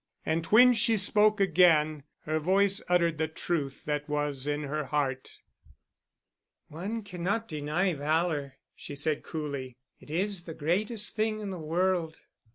And when she spoke again, her voice uttered the truth that was in her heart. "One cannot deny valor," she said coolly. "It is the greatest thing in the world."